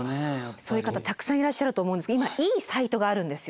そういう方たくさんいらっしゃると思うんですけど今いいサイトがあるんですよ。